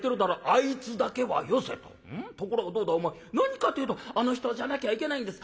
ところがどうだお前何かってえと『あの人じゃなきゃいけないんです。